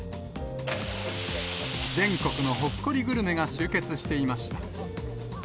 全国のほっこりグルメが集結していました。